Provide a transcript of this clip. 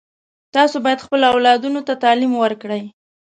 تاسو باید خپلو اولادونو ته تعلیم ورکړئ